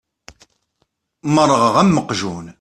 Merrɣeɣ am uqjun.